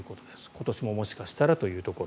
今年ももしかしたらというところ。